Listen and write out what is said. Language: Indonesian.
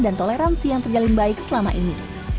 dan toleransi yang terjalin baik selama ini